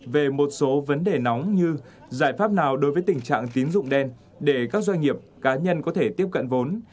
về một số vấn đề nóng như giải pháp nào đối với tình trạng tín dụng đen để các doanh nghiệp cá nhân có thể tiếp cận vốn